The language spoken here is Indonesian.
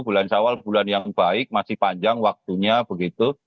bulan sawal bulan yang baik masih panjang waktunya begitu